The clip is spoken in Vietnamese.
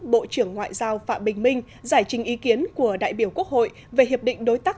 bộ trưởng ngoại giao phạm bình minh giải trình ý kiến của đại biểu quốc hội về hiệp định đối tác